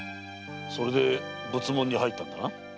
それで仏門に入ったのだな？